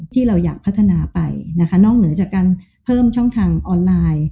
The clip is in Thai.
ที่เราอยากพัฒนาไปนะคะนอกเหนือจากการเพิ่มช่องทางออนไลน์